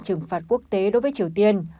trừng phạt quốc tế đối với triều tiên